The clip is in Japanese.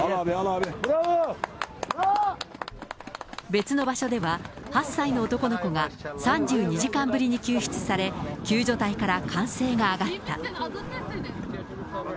別の場所では、８歳の男の子が３２時間ぶりに救出され、救助隊から歓声が上がった。